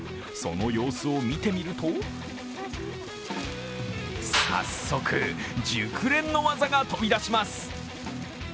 その様子を見てみると早速、熟練の技が飛び出します。